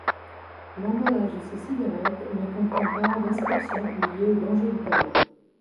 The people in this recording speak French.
L'emballage de ces cigarettes ne comprend pas d’inscription liée au danger du tabac.